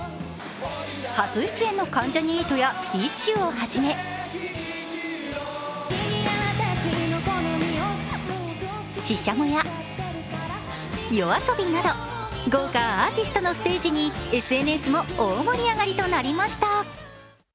初出演の関ジャニ∞やＤＩＳＨ／／をはじめ、ＳＨＩＳＨＡＭＯやＹＯＡＳＯＢＩなど豪華アーティストのステージにＳＮＳも大盛り上がりとなりました。